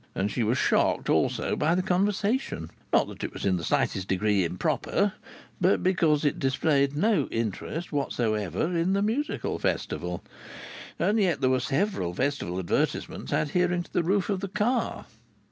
And she was shocked also by the conversation not that it was in the slightest degree improper but because it displayed no interest whatever in the Musical Festival. And yet there were several Festival advertisements adhering to the roof of the car.